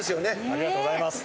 ありがとうございます。